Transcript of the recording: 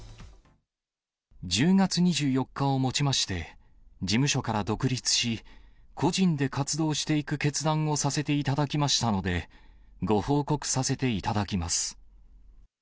１０月２４日をもちまして、事務所から独立し、個人で活動していく決断をさせていただきましたので、ご報告させていただきます。